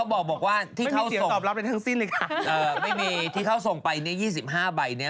ไม่มีที่เขาส่งไปนี้๒๕ใบ